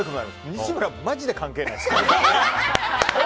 西村はマジで関係ない！